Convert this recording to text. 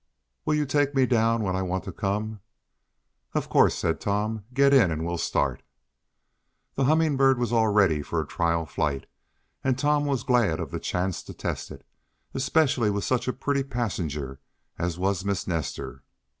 "Will you take me down when I want to come?" "Of course," said Tom. "Get in, and we'll start." The Humming Bird was all ready for a trial flight, and Tom was glad of the chance to test it, especially with such a pretty passenger as was Miss Nestor.